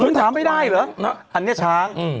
ถามไม่ได้เหรออันนี้ช้าง